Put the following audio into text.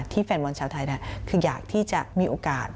แฟนบอลชาวไทยคืออยากที่จะมีโอกาส